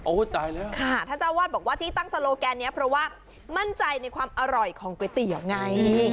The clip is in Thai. ตายแล้วค่ะท่านเจ้าวาดบอกว่าที่ตั้งโซโลแกนนี้เพราะว่ามั่นใจในความอร่อยของก๋วยเตี๋ยวไง